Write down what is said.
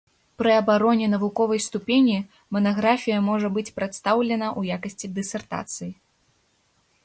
Пры абароне навуковай ступені манаграфія можа быць прадстаўлена ў якасці дысертацыі.